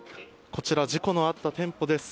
こちら、事故のあった店舗です。